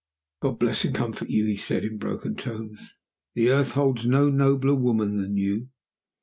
"God bless and comfort you," he said, in broken tones. "The earth holds no nobler woman than you."